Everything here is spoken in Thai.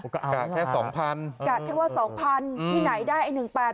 กะแค่สองพันอืมกะแค่ว่าสองพันอืมที่ไหนได้ไอ้หนึ่งแปด